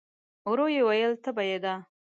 ورو يې وویل: تبه يې ده؟